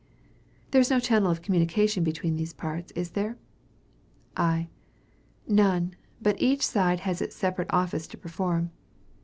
A. There is no channel of communication between these parts, is there? I. None; but each side has its separate office to perform.